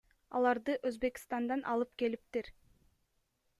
Аларды Өзбекстандан алып келиптир.